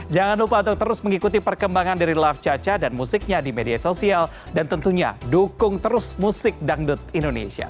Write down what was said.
jangan lupa untuk terus mengikuti perkembangan dari laf caca dan musiknya di media sosial dan tentunya dukung terus musik dangdut indonesia